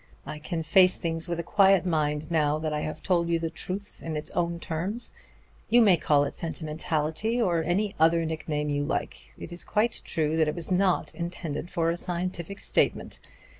I can face things with a quiet mind now that I have told you the truth in its own terms. You may call it sentimentality or any other nickname you like. It is quite true that it was not intended for a scientific statement.